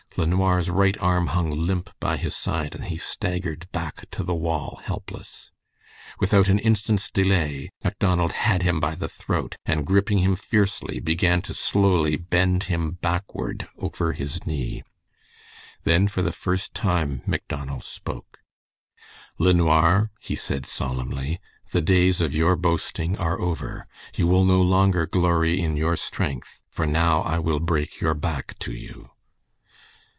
LeNoir's right arm hung limp by his side and he staggered back to the wall helpless. Without an instant's delay, Macdonald had him by the throat, and gripping him fiercely, began to slowly bend him backward over his knee. Then for the first time Macdonald spoke: "LeNoir," he said, solemnly, "the days of your boasting are over. You will no longer glory in your strength, for now I will break your back to you."